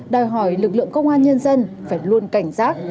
đòi hỏi lực lượng công an nhân dân phải luôn cảnh giác